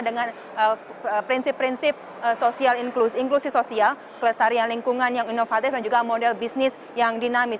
dengan prinsip prinsip sosial inklusi sosial kelestarian lingkungan yang inovatif dan juga model bisnis yang dinamis